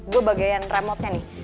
gue bagian remote nya nih